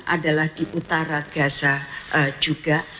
adalah di utara gaza juga